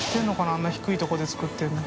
あんな低いところで作ってるの。